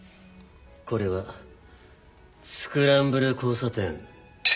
これはスクランブル交差点。